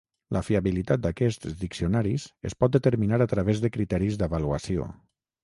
La fiabilitat d'aquests diccionaris es pot determinar a través de criteris d'avaluació.